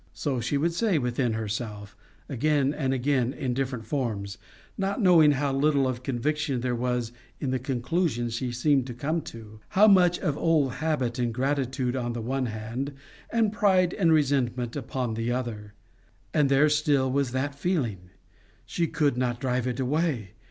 So would she say within herself, again and again, in different forms, not knowing how little of conviction there was in the conclusions she seemed to come to how much of old habit and gratitude on the one hand, and pride and resentment upon the other. And there still was that feeling! she could not drive it away.